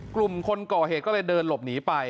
กลุ่มคนก่อเหตุก็เลยเดินหลบหนีไป